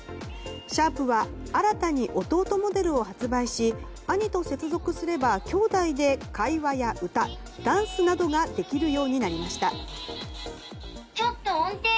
シャープは新たに弟モデルを発売し兄と接続すれば兄弟で会話や歌ダンスなどができるようになりました。